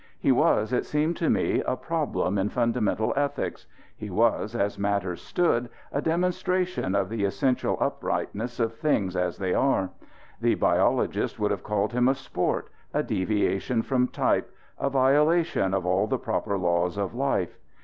He was, it seemed to me, a problem in fundamental ethics; he was, as matters stood, a demonstration of the essential uprightness of things as they are. The biologist would have called him a sport, a deviation from type, a violation of all the proper laws of life.